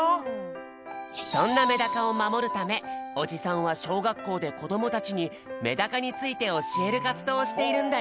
そんなメダカをまもるためおじさんはしょうがっこうでこどもたちにメダカについておしえるかつどうをしているんだよ。